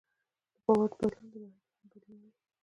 د باور بدلون د نړۍ بڼه بدلوي.